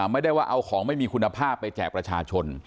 ไม่ได้ว่าเอาของไม่มีคุณภาพไปแจกประชาชน